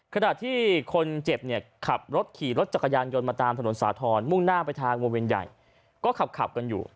ขณะที่คนเจ็บเนี่ยขับรถขี่รถจักรยานยนต์มาตามถนนสาธรณ์มุ่งหน้าไปทางวงเวียนใหญ่ก็ขับกันอยู่